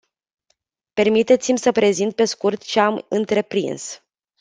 Permiteți-mi să prezint pe scurt ce am întreprins.